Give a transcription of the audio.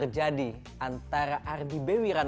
di kencang ini menabrak demean pada indonesia menang